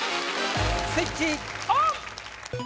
スイッチオン！